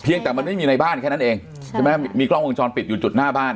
ยังแต่มันไม่มีในบ้านแค่นั้นเองใช่ไหมมีกล้องวงจรปิดอยู่จุดหน้าบ้าน